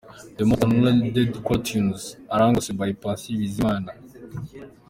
The Most downloaded CallerTunez: Arangose by Patient Bizimana.